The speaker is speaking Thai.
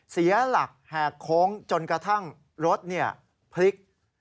เสียหลักแหกโค้งจนกระทั่งรถพลิก